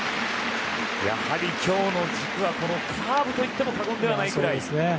やはり今日の軸はこのカーブといっても過言ではないぐらい。